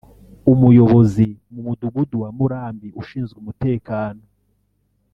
umuyobozi mu mudugudu wa Murambi ushinzwe umutekano